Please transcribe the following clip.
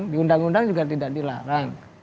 di undang undang juga tidak dilarang